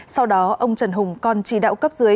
sau đó ông trần hùng còn chỉ đạo cấp dưới